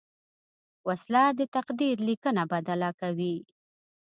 وسله د تقدیر لیکنه بدله کوي